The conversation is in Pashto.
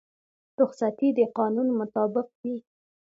رخصتي د قانون مطابق وي